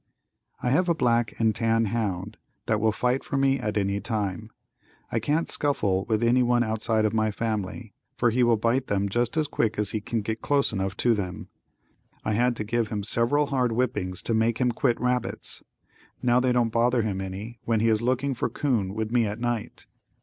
I have a black and tan hound that will fight for me at any time. I can't scuffle with any one outside of my own family for he will bite them just as quick as he can get close enough to them. I had to give him several hard whippings to make him quit rabbits. Now they don't bother him any when he is looking for 'coon with me at night.